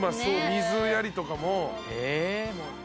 水やりとかも。